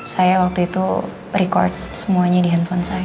saya waktu itu record semuanya di handphone saya